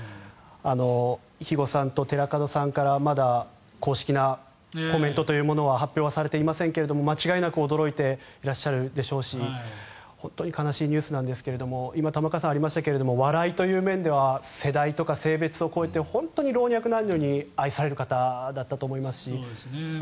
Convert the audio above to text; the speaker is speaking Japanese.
肥後さんと寺門さんからまだ公式のコメントというのは発表されていませんが間違いなく驚いていらっしゃるでしょうし本当に悲しいニュースなんですが今、玉川さんからありましたが笑いという面では世代とか性別を超えて本当に老若男女に愛される方だったと思いますし。